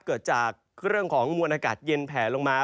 เกิดจากเรื่องของมวลอากาศเย็นแผลลงมา